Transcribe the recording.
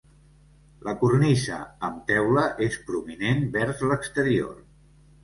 La cornisa, amb teula, és prominent vers l'exterior.